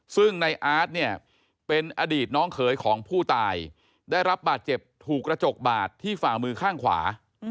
ซึ่งในอาร์ตเนี่ยเป็นอดีตน้องเขยของผู้ตายได้รับบาดเจ็บถูกกระจกบาดที่ฝ่ามือข้างขวา